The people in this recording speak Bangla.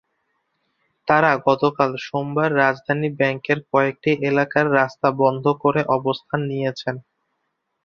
তাঁরা গতকাল সোমবার রাজধানী ব্যাংককের কয়েকটি এলাকার রাস্তা বন্ধ করে অবস্থান নিয়েছেন।